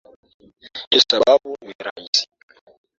Hesabu ni rahisi